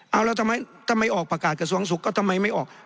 เอาแล้วทำไมออกประกาศกระทรวงศุกร์ก็ทำไมไม่ออก